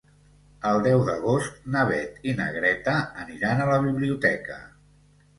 El deu d'agost na Beth i na Greta aniran a la biblioteca.